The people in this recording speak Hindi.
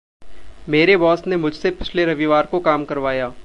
मेरे बॉस ने मुझसे पिछले रविवार को काम करवाया।